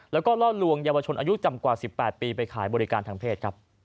แล้วก็ล่อลวงเยาวชนอายุต่ำกว่า๑๘ปีไปขายบริการทางเพศครับ